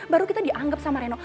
baru kita dianggap sama reno